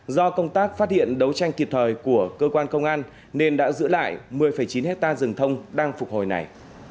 do công tác phát hiện đấu tranh kịp thời của cơ quan công an nên đã giữ lại một mươi chín hectare rừng thông đang phục hồi này